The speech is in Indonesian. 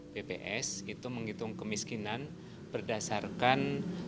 bps itu menghitung kemiskinan berdasarkan